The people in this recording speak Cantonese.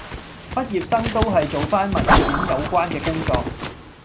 畢業生都係做返文件有關嘅工作